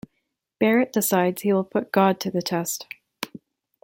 Barrett decides he will put God to the test.